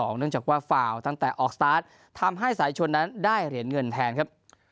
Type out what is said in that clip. เนื่องจากว่าฟาวตั้งแต่ออกสตาร์ททำให้สายชนนั้นได้เหรียญเงินแทนครับ